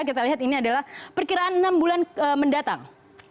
kita lihat ini adalah perkiraan enam bulan mendatang